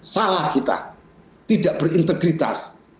salah kita tidak berintegritas